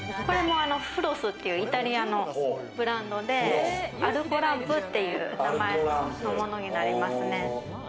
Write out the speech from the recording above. これもフロスっていうイタリアのブランドで、アルコランプっていう名前のものになりますね。